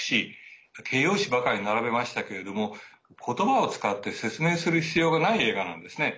形容詞ばかり並べましたけれども言葉を使って説明する必要がない映画なんですね。